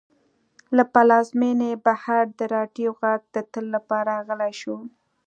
له پلازمېنې بهر د راډیو غږ د تل لپاره غلی شو.